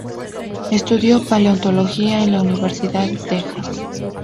Estudió paleontología en la Universidad de Texas.